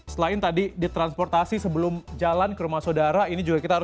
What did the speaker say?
selain tadi di transportasi sebelum jalan ke rumah saudara ini juga kita harus